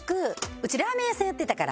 うちラーメン屋さんやってたから。